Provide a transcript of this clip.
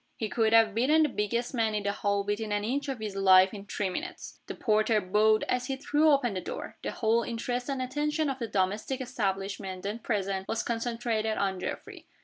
He could have beaten the biggest man in the hall within an inch of his life in three minutes. The porter bowed as he threw open the door. The whole interest and attention of the domestic establishment then present was concentrated on Geoffrey.